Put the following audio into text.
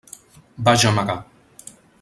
Va gemegar.